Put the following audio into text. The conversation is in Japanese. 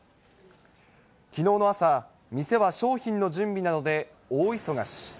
きのうの朝、店は商品の準備などで大忙し。